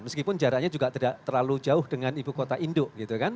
meskipun jaraknya juga tidak terlalu jauh dengan ibu kota induk gitu kan